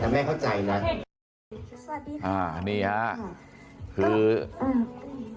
ถ้าไม่เข้าใจเรา